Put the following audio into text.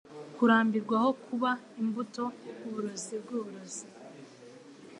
kurambirwa aho kuba imbuto uburozi bwuburozi